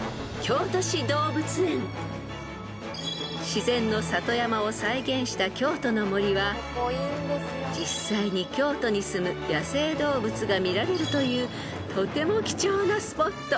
［自然の里山を再現した京都の森は実際に京都にすむ野生動物が見られるというとても貴重なスポット］